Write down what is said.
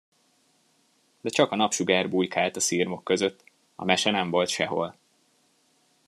De csak a napsugár bujkált a szirmok között, a mese nem volt sehol.